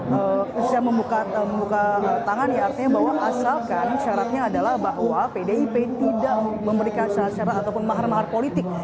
bisa membuka tangan ya artinya bahwa asalkan syaratnya adalah bahwa pdip tidak memberikan syarat syarat ataupun mahar mahar politik